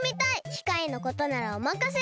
きかいのことならおまかせを！